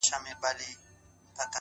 زلفي راټال سي گراني ،